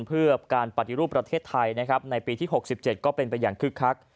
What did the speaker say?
เพื่อการปฏิรูปประเทศไทยนะครับในปีที่๖๗ก็เป็นไปอย่างคึกคัก